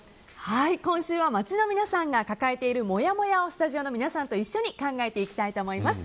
今週は街の皆さんが抱えているもやもやをスタジオの皆さんと一緒に考えていきたいと思います。